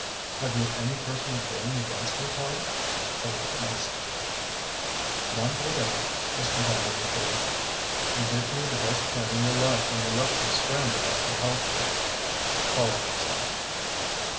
"Have you any personal feeling against me, Tallente?" Horlock asked. "None whatever," his companion assured him. "You did me the best turn in your life when you left me stranded after Hellesfield." Horlock sighed.